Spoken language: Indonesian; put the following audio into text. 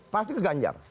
pasti ke ganjar